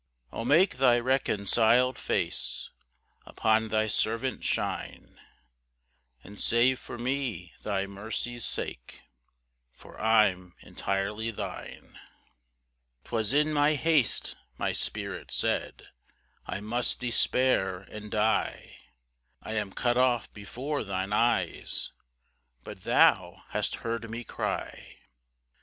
4 O make thy reconciled face Upon thy servant shine, And save me for thy mercy's sake, For I'm entirely thine. PAUSE. 5 ['Twas in my haste, my spirit said, "I must despair and die, "I am cut off before thine eyes;" But thou hast heard me cry.